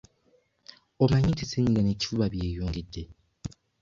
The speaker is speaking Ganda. Omanyi nti ssenyiga n'ekifuba byeyongedde?